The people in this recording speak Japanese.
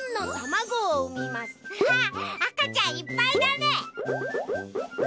わああかちゃんいっぱいだね。